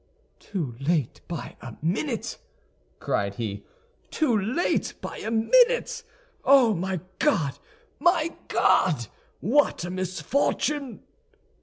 "Too late by a minute!" cried he, "too late by a minute! Oh, my God, my God! what a misfortune!"